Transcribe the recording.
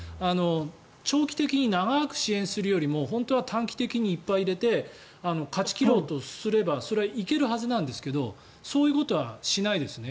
長期的に長く支援するよりも本当は短期的にいっぱい入れて勝ち切ろうとすればそれは行けるはずなんですけどそういうことはしないですね。